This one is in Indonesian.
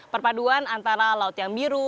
perpaduan antara laut yang biru